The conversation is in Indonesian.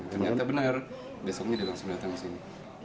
ternyata benar besoknya dia langsung datang kesini